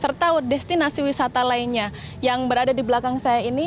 serta destinasi wisata lainnya yang berada di belakang saya ini